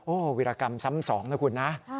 วิรากรรมซ้ำสองนะคุณนะ